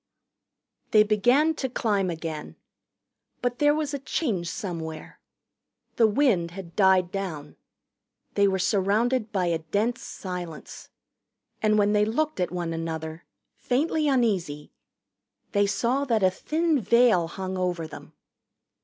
They began to climb again. But there was a change somewhere. The wind had died down. They were surrounded by a dense silence. And when they looked at one another, faintly uneasy, they saw that a thin veil hung over them.